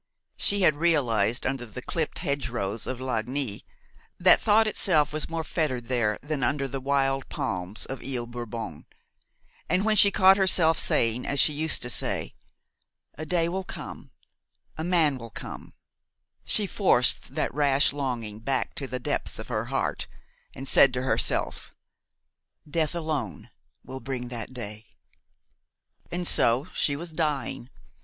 She had realized under the clipped hedge rows of Lagny that thought itself was more fettered there than under the wild palms of Ile Bourbon; and when she caught herself saying, as she used to say: "A day will come–a man will come"–she forced that rash longing back to the depths of her heart, and said to herself; "Death alone will bring that day!" And so she was dying.